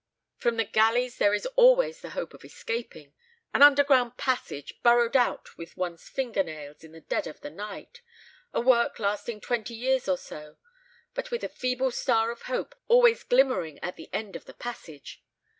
From the galleys there is always the hope of escaping an underground passage, burrowed out with one's finger nails in the dead of the night a work lasting twenty years or so, but with a feeble star of hope always glimmering at the end of the passage.